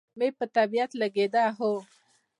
مې په طبیعت لګېده، هو.